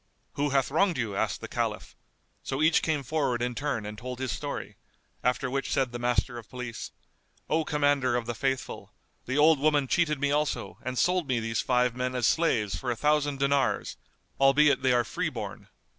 "Who hath wronged you?" asked the Caliph; so each came forward in turn and told his story, after which said the Master of Police, "O Commander of the Faithful, the old woman cheated me also and sold me these five men as slaves for a thousand dinars, albeit they are free born."